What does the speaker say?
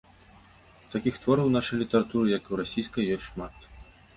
Такіх твораў у нашай літаратуры, як і ў расійскай, ёсць шмат.